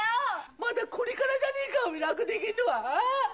まだこれからじゃねえか楽できんのは。